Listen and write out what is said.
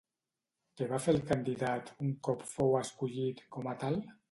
Què va fer el candidat un cop fou escollit com a tal?